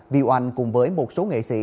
viu anh cùng với một số nghệ sĩ